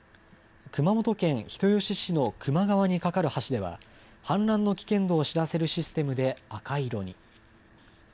熊本県人吉市の球磨川に架かる橋では氾濫の危険度を知らせるシステムで赤色に。